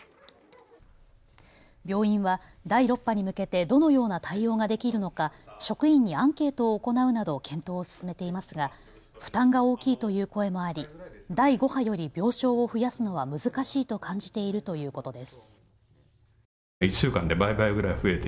病院は第６波に向けてどのような対応ができるのか職員にアンケートを行うなど検討を進めていますが負担が大きいという声もあり第５波より病床を増やすのは難しいと感じているということです。